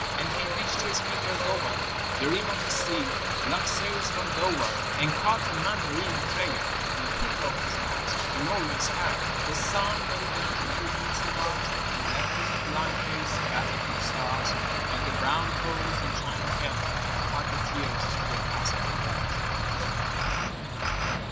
And he reached his fingers over The rim of the sea, like sails from Dover, And caught a Mandarin at prayer, And tickled his nose in Orion's hair. The sun went down through crimson bars, And left his blind face battered with stars But the brown toes in China kept Hot the tears Del Cascar wept.